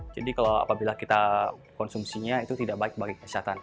jadi kalau apabila kita konsumsinya itu tidak baik bagi kesehatan